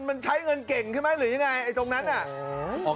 มันใช้เงินเก่งใช่ไหมหรือยังไงไอ้ตรงนั้นน่ะ